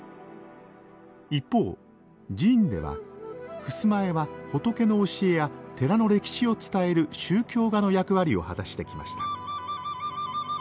一方寺院では襖絵は仏の教えや寺の歴史を伝える宗教画の役割を果たしてきました。